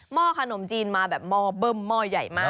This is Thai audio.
ม่อขนมจีนมาแบบม่อเบิ่มม่อใหญ่มาก